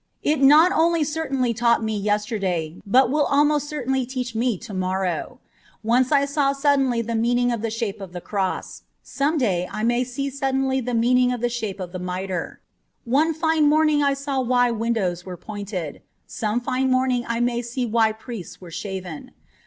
It not only certainly taught me yesterday, but will almost certainly teach me to morrow. Once I saw suddenly the meaning of the shape of the cross ; some day I may see suddenly the meaning of the shape of the mitre. One fine morning I saw why windows were pointed ; some fine morning I may see why priests were shaven.